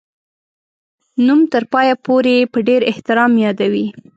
نوم تر پایه پوري په ډېر احترام یادوي.